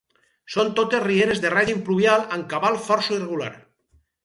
Són totes rieres de règim pluvial amb cabal força irregular.